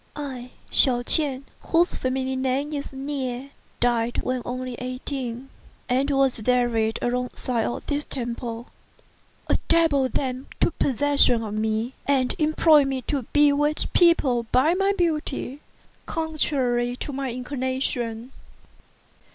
I, Hsiao ch'ien, whose family name is Nieh, died when only eighteen, and was buried alongside of this temple. A devil then took possession of me, and employed me to bewitch people by my beauty, contrary to my inclination.